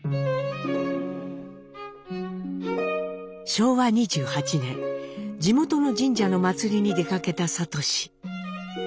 昭和２８年地元の神社の祭りに出かけた智。